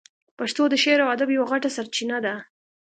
پښتو د شعر او ادب یوه غټه سرچینه ده.